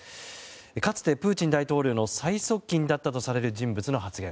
かつてプーチン大統領の最側近だったとされる人物の発言。